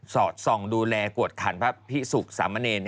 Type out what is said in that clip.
ส่องดูแลกวดขันพระพิสุขสามเมนเนย์